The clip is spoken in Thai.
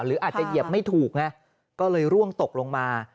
หรืออาจจะเหยียบไม่ถูกไงก็เลยร่วงตกลงมา